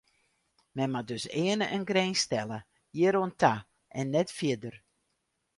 Men moat dus earne in grins stelle: hjir oan ta en net fierder.